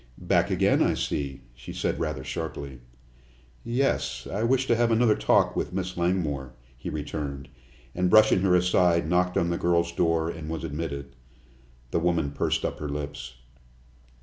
"Back again, I see," she said rather sharply. "Yes; I wish to have another talk with Miss Langmore," he returned, and, brushing her aside, knocked on the girl's door, and was admitted. The woman pursed up her lips.